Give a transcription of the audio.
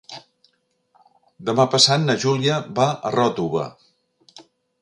Demà passat na Júlia va a Ròtova.